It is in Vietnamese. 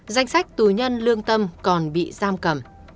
danh sách tù nhân lương tâm còn bị giam cầm